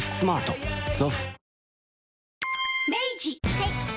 はい。